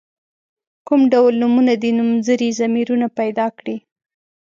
کوم ډول نومونه دي نومځري ضمیرونه پیداکړي.